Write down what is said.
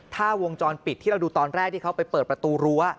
ถ้าวงจรปิดที่เราดูตอนแรกที่เขาไปเปิดประตูรั้ว